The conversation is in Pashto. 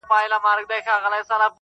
په هنیداري کي سړی و تېرایستلی،